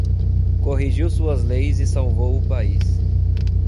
Corrigiu suas leis e salvou o país.